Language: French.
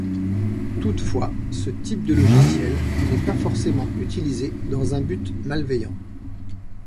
Toutefois, ce type de logiciels n'est pas forcément utilisé dans un but malveillant.